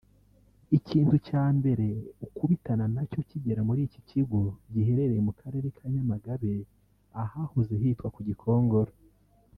Ikintu cya mbere ukubitana nacyo ukigera muri iki kigo giherereye mu Karere ka Nyamagabe ahahoze hitwa ku Gikongoro